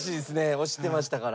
押してましたから。